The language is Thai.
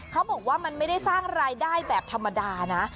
เขาบอกว่ามันไม่ได้สร้างรายได้แบบธรรมดานะ